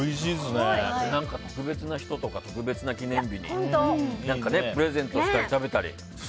特別な人とか特別な記念日にプレゼントしたり食べたり。